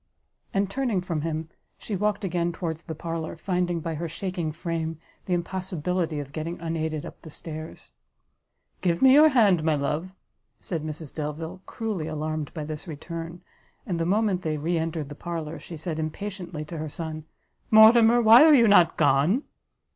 And, turning from him, she walked again towards the parlour, finding by her shaking frame, the impossibility of getting unaided up the stairs. "Give me your hand, my love," said Mrs Delvile, cruelly alarmed by this return; and the moment they re entered the parlour, she said impatiently to her son, "Mortimer, why are you not gone?"